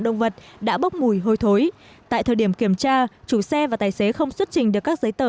động vật đã bốc mùi hôi thối tại thời điểm kiểm tra chủ xe và tài xế không xuất trình được các giấy tờ